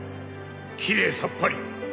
きれいさっぱり。